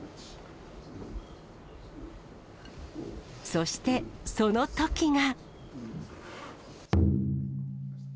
そして、その時が。